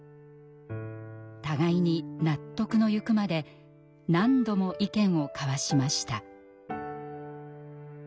互いに納得のゆくまで何度も意見を交わしました。